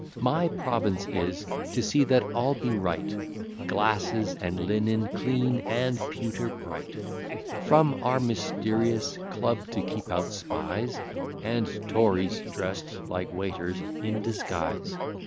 My province is, to see that all be right, Glasses and linen clean, and pewter bright; From our mysterious club to keep out spies, And Tories (dress'd like waiters) in disguise.